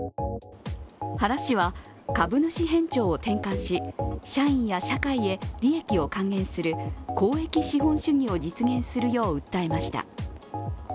原氏は、株主偏重を転換し社員や社会へ利益を還元する公益資本主義を実現するよう訴えました。